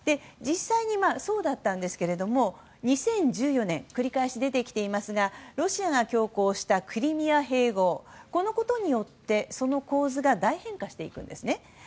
実際に、そうだったんですけども２０１４年繰り返し出てきていますがロシアが強行したクリミア併合によってその構図が大変化していくんですね。